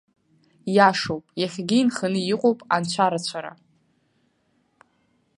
Ииашоуп, иахьагьы инханы иҟоуп анцәа рацәара.